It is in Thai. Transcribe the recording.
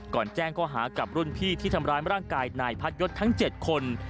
แจ้งข้อหากับรุ่นพี่ที่ทำร้ายร่างกายนายพัดยศทั้ง๗คน